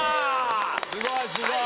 すごいすごい！